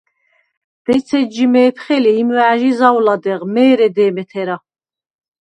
დეც ეჯჟი მე̄ფხე ლი, იმუ̂ა̄̈ჲჟი ზაუ̂ლადეღ, მე̄რე დე̄მე თერა.